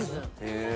へえ！